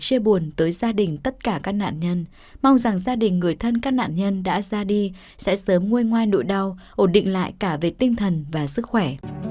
chưa buồn tới gia đình tất cả các nạn nhân mong rằng gia đình người thân các nạn nhân đã ra đi sẽ sớm nguyên ngoan đội đau ổn định lại cả về tinh thần và sức khỏe